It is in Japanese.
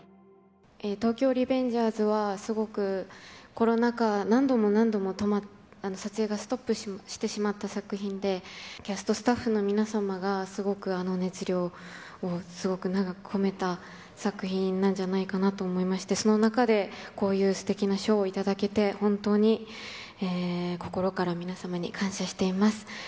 東京リベンジャーズは、すごくコロナ禍、何度も何度も撮影がストップしてしまった作品で、キャスト、スタッフの皆様が、すごく熱量をすごく長く込めた作品なんじゃないかなと思いまして、その中でこういうすてきな賞を頂けて、本当に心から皆様に感謝しています。